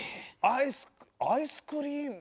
アイスクアイスクリーム。